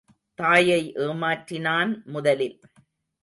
தாயை ஏமாற்றினான் முதலில்.